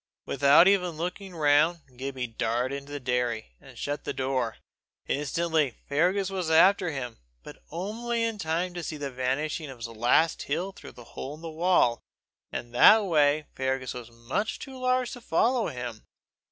Without even looking round, Gibbie darted into the dairy, and shut the door. Instantly Fergus was after him, but only in time to see the vanishing of his last heel through the hole in the wall, and that way Fergus was much too large to follow him.